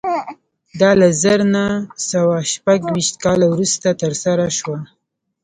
دا له زر نه سوه شپږ ویشت کال وروسته ترسره شوه